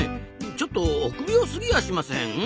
ちょっと臆病すぎやしません？